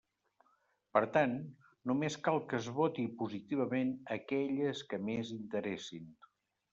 Per tant, només cal que es voti positivament aquelles que més interessin.